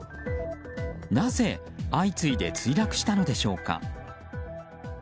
なぜ相次いで墜落したのでしょうか。